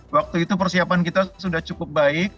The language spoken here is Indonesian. waktu itu persiapan kita sudah cukup baik